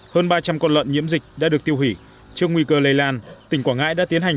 hơn ba trăm linh con lợn nhiễm dịch đã được tiêu hủy trước nguy cơ lây lan tỉnh quảng ngãi đã tiến hành